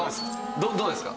どうですか？